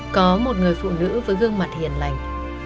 có một người phụ nữ với gương mặt hiền lành